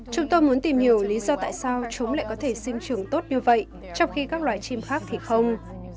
chúng tôi muốn tìm hiểu lý do tại sao chúng lại có thể sinh trường tốt như vậy trong khi các loài chim khác thì không